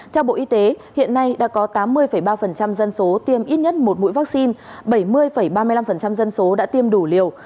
theo bộ y tế hiện nay đã có tám mươi ba dân số tiêm ít nhất một mũi vaccine bảy mươi ba mươi năm dân số đã tiêm đủ liều